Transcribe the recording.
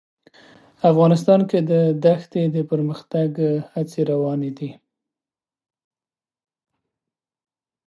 افغانستان کې د دښتې د پرمختګ هڅې روانې دي.